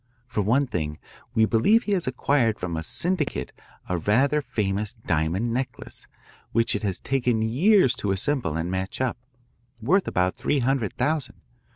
For one thing, we believe he has acquired from a syndicate a rather famous diamond necklace which it has taken years to assemble and match up, worth about three hundred thousand.